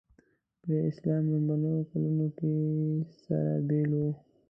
په اسلام لومړیو کلونو کې سره بېل وو.